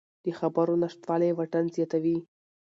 د خبرو نشتوالی واټن زیاتوي